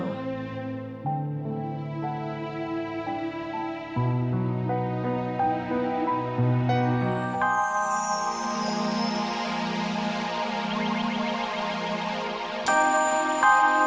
mbak jai sudah selesai kembali hidup